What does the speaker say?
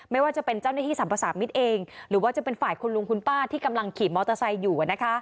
ไม่ว่าจะเป็นเจ้าหน้าที่สรรพสามิตรเองหรือว่าจะเป็นฝ่ายคุณลุงคุณป้าที่กำลังขี่มอเตอร์ไซค์อยู่